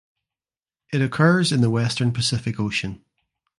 It occurs in the western Pacific Ocean.